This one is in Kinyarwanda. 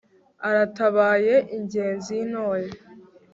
aratabaye ingenzi y'intore